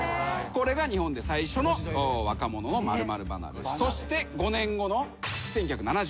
これが日本で最初の「若者の○○離れ」そして５年後の１９７７年。